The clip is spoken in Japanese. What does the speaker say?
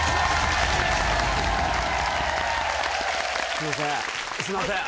すいませんすいません。